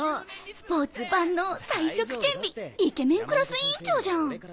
スポーツ万能才色兼備イケメンクラス委員長じゃん。